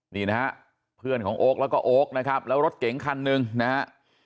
นี่นะฮะเพื่อนของโอ๊คแล้วก็โอ๊คนะครับแล้วรถเก๋งคันหนึ่งนะฮะ